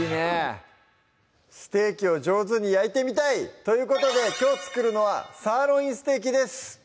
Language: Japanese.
ステーキを上手に焼いてみたいということできょう作るのは「サーロインステーキ」です